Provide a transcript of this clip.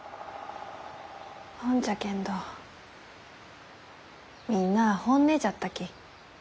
ほんじゃけんどみんなあ本音じゃったき。